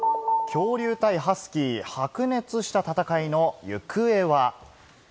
恐竜対ハスキー、白熱した戦いの行方は？